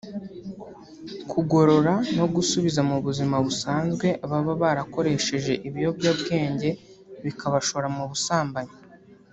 kugorora no gusubiza mu buzima busanzwe ababa barakoresheje ibiyobyabwenge bikabashora mu busambanyi